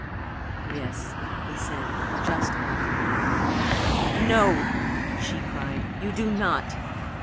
"Yes," he said, just audibly. "No!" she cried. "You do not.